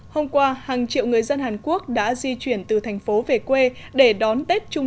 hôm qua hàng triệu người dân hàn quốc đã di chuyển từ thành phố về quê để đón tết trung